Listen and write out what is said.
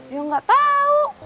ya gak tau